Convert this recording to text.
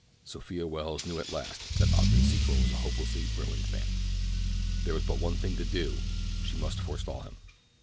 Sophia Welles knew at last that Ogden Secor was a hopelessly ruined man. There was but one thing to do—she must forestall him.